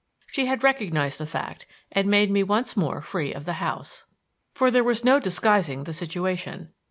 she had recognized the fact and made me once more free of the house. For there was no disguising the situation.